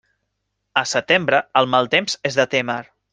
A setembre, el mal temps és de témer.